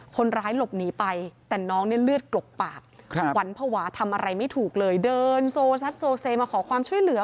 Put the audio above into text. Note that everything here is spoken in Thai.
คนร้ายหลบหนีไปแต่น้องเนี่ยเลือดกลบปากหวัดภาวะทำอะไรไม่ถูกเลยเดินโซซัดโซเซมาขอความช่วยเหลือ